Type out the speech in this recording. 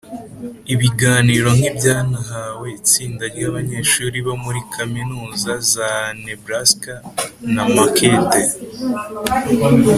Ibiganiro nk I’i byanahawe itsinda ry’abanyeshuri bo muri Kaminuza za Neblaska na Maquette